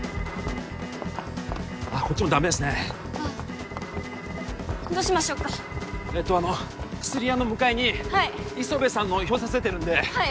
あっこっちもダメですねああどうしましょっかえっとあの薬屋の向かいにはい磯辺さんの表札出てるんではい